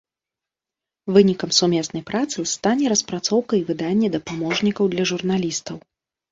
Вынікам сумеснай працы стане распрацоўка і выданне дапаможнікаў для журналістаў.